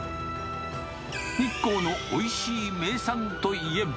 日光のおいしい名産といえば。